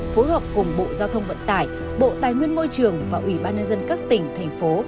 phối hợp cùng bộ giao thông vận tải bộ tài nguyên môi trường và ủy ban nhân dân các tỉnh thành phố